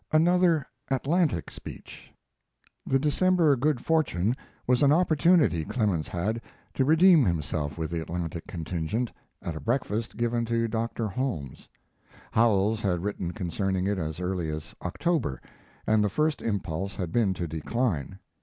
ANOTHER "ATLANTIC" SPEECH The December good fortune was an opportunity Clemens had to redeem himself with the Atlantic contingent, at a breakfast given to Dr. Holmes. Howells had written concerning it as early as October, and the first impulse had been to decline.